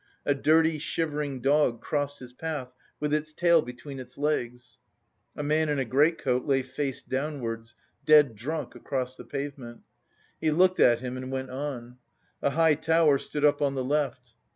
A dirty, shivering dog crossed his path with its tail between its legs. A man in a greatcoat lay face downwards; dead drunk, across the pavement. He looked at him and went on. A high tower stood up on the left.